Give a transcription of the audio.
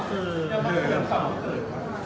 เจ้าเม่าคือ